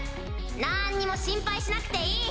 なんにも心配しなくていい！